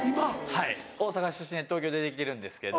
はい大阪出身で東京出て来てるんですけど。